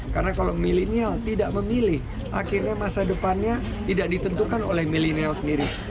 karena kalau milenial tidak memilih akhirnya masa depannya tidak ditentukan oleh milenial sendiri